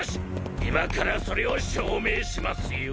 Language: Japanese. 今からそれを証明しますよ。